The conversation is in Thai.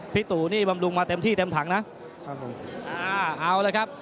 ตู่นี่บำรุงมาเต็มที่เต็มถังนะครับผมอ่าเอาละครับ